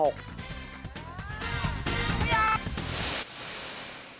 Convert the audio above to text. ครับ